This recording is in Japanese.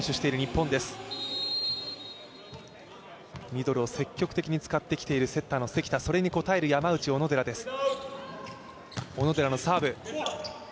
ミドルを積極的に使ってきているセッターの関田それに応える山内、小野寺です。